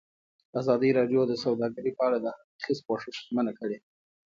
ازادي راډیو د سوداګري په اړه د هر اړخیز پوښښ ژمنه کړې.